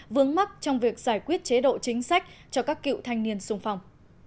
vướng mắc trong việc giải quyết chế độ chính sách cho các cựu thanh niên xung phong